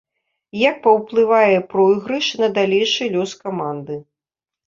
Як паўплывае пройгрыш на далейшы лёс каманды.